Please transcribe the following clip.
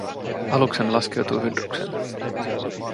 Aluksemme laskeutui Hydrukselle.